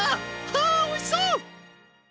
はあおいしそう！